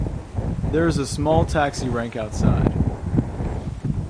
There is a small taxi rank outside.